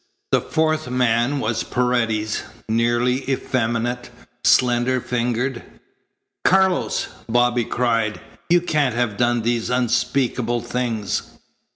The fourth man was Paredes, nearly effeminate, slender fingered. "Carlos!" Bobby cried. "You can't have done these unspeakable things!"